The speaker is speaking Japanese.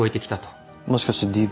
もしかしてＤＶ？